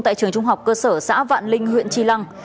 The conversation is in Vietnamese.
tại trường trung học cơ sở xã vạn linh huyện tri lăng